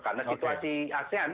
karena situasi asean